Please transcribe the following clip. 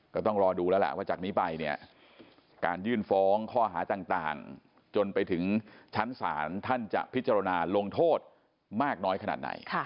ก็ต้องรอดูแล้วล่ะว่าจากนี้ไปเนี่ยการยื่นฟ้องข้อหาต่างจนไปถึงชั้นศาลท่านจะพิจารณาลงโทษมากน้อยขนาดไหน